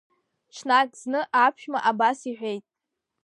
Ҽнак зны аԥшәма абас иҳәеит…